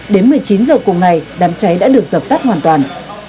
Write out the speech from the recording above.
đến một mươi chín h cùng ngày đám cháy đã được dập tắt hoàn toàn